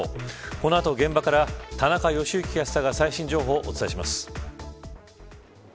この後現場から田中良幸キャスターが最新情報をお伝えします。